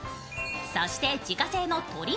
そして自家製の鶏